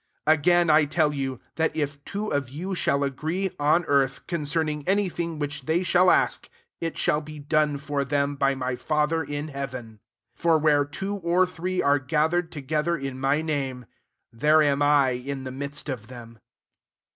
19 Again, I lell you, that if two of you shall agree, on earth, concerning any thing, which they shall ask, it shall be done for them, by my Father in heaven : 20 for where two or three are gathered to gether, in my name, there am I in the midst of them."